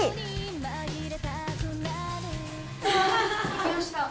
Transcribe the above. できました。